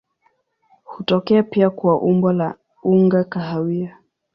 Hutokea pia kwa umbo la unga kahawia.